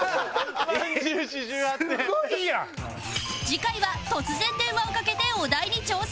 次回は突然電話をかけてお題に挑戦